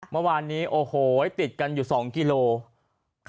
เมื่อวานนี้โอ้โหติดกันอยู่๒กิโลกรัม